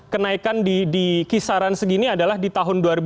kenaikan di kisaran segini adalah di tahun dua ribu dua